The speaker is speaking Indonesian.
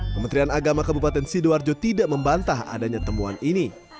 kementerian agama kabupaten sidoarjo tidak membantah adanya temuan ini